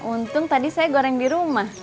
untung tadi saya goreng di rumah